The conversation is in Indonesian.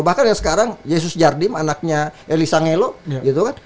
bahkan yang sekarang yesus jardim anaknya elisa ngelo gitu kan